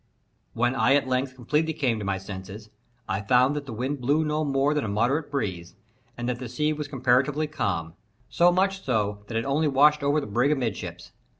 When I at length completely came to my senses, I found that the wind blew no more than a moderate breeze, and that the sea was comparatively calm; so much so that it only washed over the brig amidships.